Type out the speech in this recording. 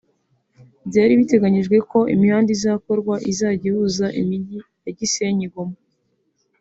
Byari biteganyijwe ko ko imihanda izakorwa izajya ihuza imijyi ya Gisenyi-Goma